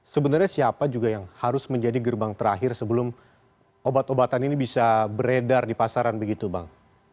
sebenarnya siapa juga yang harus menjadi gerbang terakhir sebelum obat obatan ini bisa beredar di pasaran begitu bang